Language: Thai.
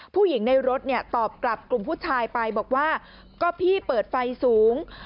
ผู้หญิงในรถเนี่ยตอบกลับกลุ่มผู้ชายไปบอกว่าก็พี่เปิดไฟสูง